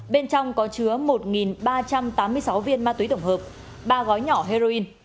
bên trong có chứa một ba trăm tám mươi sáu viên ma túy tổng hợp ba gói nhỏ heroin